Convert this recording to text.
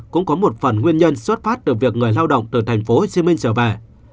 cũng có một phần nguyên nhân xuất phát từ việc người lao động từ tp hcm trở về